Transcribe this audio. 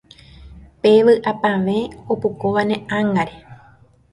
Pe vy'apavẽ opokóva ne ángare